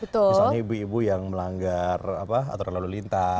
misalnya ibu ibu yang melanggar atau terlalu lintas